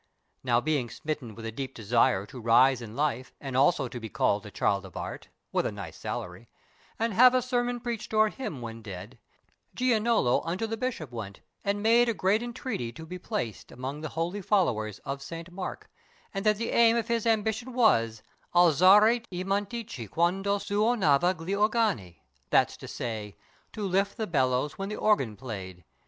Now being smitten with a deep desire To rise in life and also to be called A Child of Art—with a nice salary— And have a sermon preached o'er him when dead, Giannolo unto the Bishop went, And made a great entreaty to be placed Among the holy followers of Saint Mark, And that the aim of his ambition was Alzare i mantici quando suonava gli organi—that's to say: "To lift the bellows when the organ played."